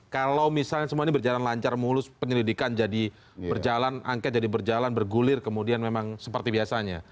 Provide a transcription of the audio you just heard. kalau misalnya semua ini berjalan lancar mulus penyelidikan jadi berjalan angket jadi berjalan bergulir kemudian memang seperti biasanya